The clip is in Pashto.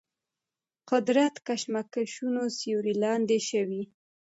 قدرت کشمکشونو سیوري لاندې شوي.